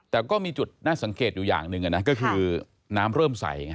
แต่ก็มีจุดน่าสังเกตอยู่อย่างหนึ่งก็คือน้ำเริ่มใส